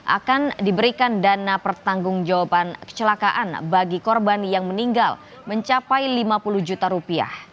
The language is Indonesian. akan diberikan dana pertanggung jawaban kecelakaan bagi korban yang meninggal mencapai lima puluh juta rupiah